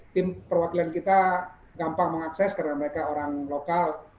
tim perwakilan kita gampang mengakses karena mereka orang lokal